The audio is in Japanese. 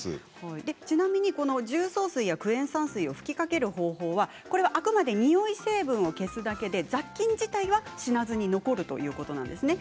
ちなみに重曹水やクエン酸水を吹きかける方法はあくまでニオイ成分を消すだけで雑菌自体は死なずに残るそうです。